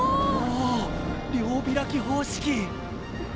お両開き方式！